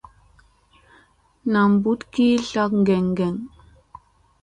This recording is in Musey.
Nam mbuɗ ki tlaw keŋ keŋ.